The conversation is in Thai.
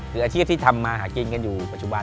คืออาชีพที่ทำมาหากินกันอยู่ปัจจุบัน